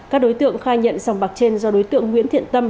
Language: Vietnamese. các đối tượng kha nhận dòng bạc trên do đối tượng nguyễn thiện tâm